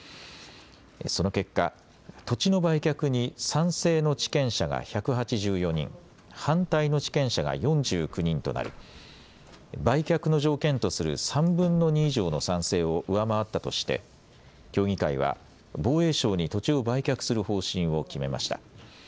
その結果、土地の売却に賛成の地権者が１８４人、反対の地権者が４９人となり売却の条件とする３分の２以上の賛成を上回ったとして協議会は防衛省に土地を売却する方針を決めました。